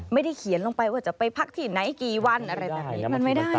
ไม่ได้เขียนลงไปว่าจะไปพักที่ไหนกี่วันอะไรแบบนี้มันไม่ได้